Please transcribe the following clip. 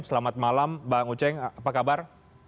selamat malam bang uceng apa kabar